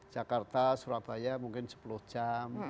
jakarta surabaya mungkin sepuluh jam